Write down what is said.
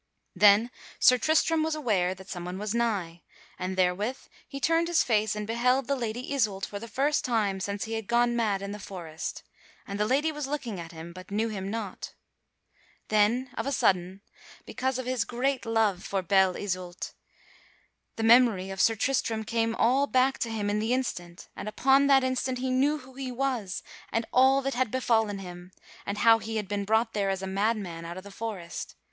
Then Sir Tristram was aware that someone was nigh; and therewith he turned his face and beheld the Lady Isoult for the first time since he had gone mad in the forest; and the lady was looking at him, but knew him not. Then of a sudden, because of his great love for Belle Isoult, the memory of Sir Tristram came all back to him in the instant, and upon that instant he knew who he was and all that had befallen him, and how he had been brought there as a madman out of the forest.